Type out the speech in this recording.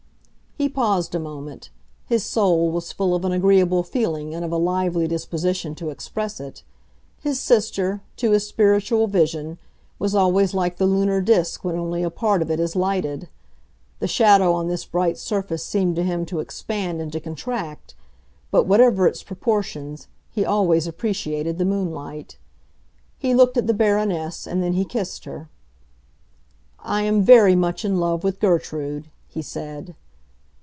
He paused a moment; his soul was full of an agreeable feeling and of a lively disposition to express it. His sister, to his spiritual vision, was always like the lunar disk when only a part of it is lighted. The shadow on this bright surface seemed to him to expand and to contract; but whatever its proportions, he always appreciated the moonlight. He looked at the Baroness, and then he kissed her. "I am very much in love with Gertrude," he said.